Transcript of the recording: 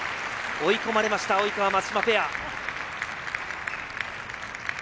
追い込まれました及川、松島ペア。